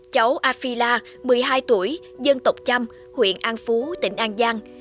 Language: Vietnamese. cháu afila một mươi hai tuổi dân tộc chăm huyện an phú tỉnh an giang